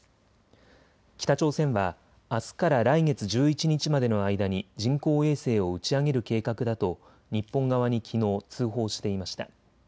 北朝鮮はあすから来月１１日までの間に人工衛星を打ち上げる計画だと日本側にきのう通報していました。